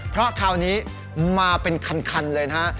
เพราะคราวนี้มาเป็นคันเลยนะฮะ